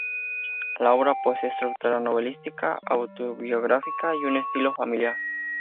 La obra posee estructura novelística autobiográfica y un estilo familiar.